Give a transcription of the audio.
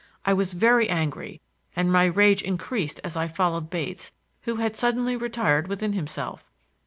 I was very angry and my rage increased as I followed Bates, who had suddenly retired within himself.